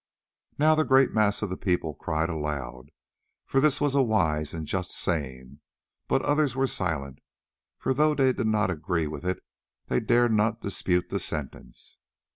Now the great mass of the people cried aloud that this was a wise and just saying, but others were silent, for though they did not agree with it they dared not dispute the sentence.